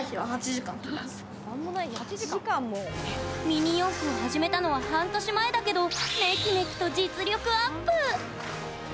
ミニ四駆を始めたのは半年前だけどメキメキと実力アップ。